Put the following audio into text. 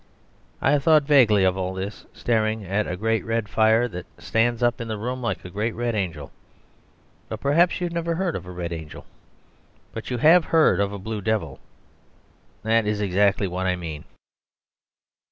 ..... I have thought vaguely of all this staring at a great red fire that stands up in the room like a great red angel. But, perhaps, you have never heard of a red angel. But you have heard of a blue devil. That is exactly what I mean.